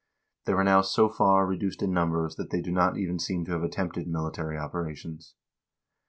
They were now so far reduced in numbers that they do not even seem to have attempted military operations.